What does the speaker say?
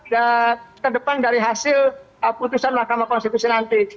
dan ke depan dari hasil putusan mahkamah konstitusi nanti